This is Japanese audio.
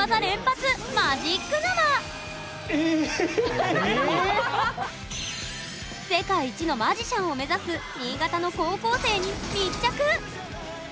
ここからは世界一のマジシャンを目指す新潟の高校生に密着！